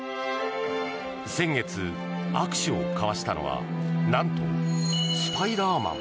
先月、握手を交わしたのは何とスパイダーマン。